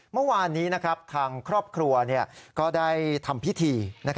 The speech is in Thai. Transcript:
เมื่อวานนี้ทางครอบครัวก็ได้ทำพิธี